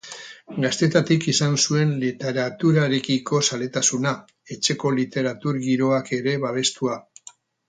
Gaztetatik izan zuen literaturarekiko zaletasuna, etxeko literatur giroak ere babestua.